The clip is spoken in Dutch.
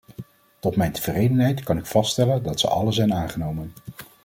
Tot mijn tevredenheid kan ik vaststellen dat ze alle zijn aangenomen.